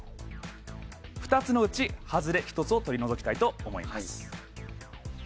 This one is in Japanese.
２つのうち外れ１つを取り除きたいと思います。